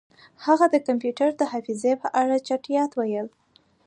هغه د کمپیوټر د حافظې په اړه چټیات ویل